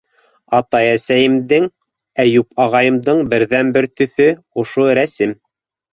- Ата-әсәйемдең, Әйүп ағайымдың берҙән-бер төҫө - ошо рәсем.